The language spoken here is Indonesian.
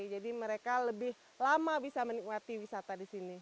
jadi mereka lebih lama bisa menikmati wisata di sini